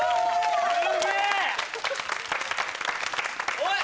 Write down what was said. ・おい！